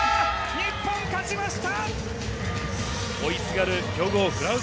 日本、勝ちました。